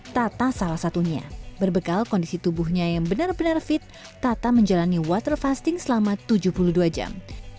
tata salah satunya berbekal kondisi tubuhnya yang benar benar fit tata menjalani water fasting selama tujuh puluh dua jam